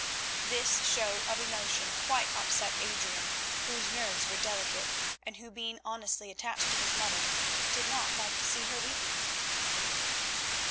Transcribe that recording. This show of emotion quite upset Adrian whose nerves were delicate, and who being honestly attached to his mother did not like to see her weeping.